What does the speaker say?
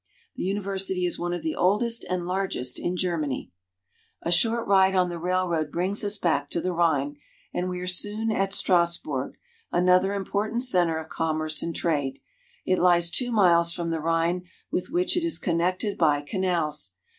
The university is one of the oldest and largest in Ger many. A short ride on the railroad brings us back to the Rhine, and we are soon at Strassburg, another important center of commerce and trade. It lies two miles from the Rhine, with which it is connected by canals.